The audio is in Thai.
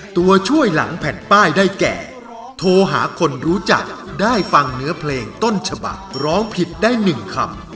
ตัวช่วยหลังแผ่นป้ายได้แก่โทรหาคนรู้จักได้ฟังเนื้อเพลงต้นฉบักร้องผิดได้๑คำ